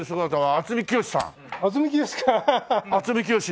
渥美清。